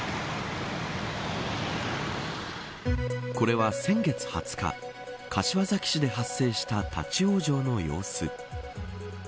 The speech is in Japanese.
これは、先月２０日柏崎市で発生した立ち往生の様子。